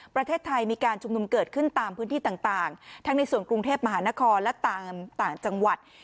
ประเทศไทยมีการชุมนุมเกิดขึ้นตามพื้นที่ต่างทั้งในส่วนกรุงเทพมหานครและต่างจังหวัด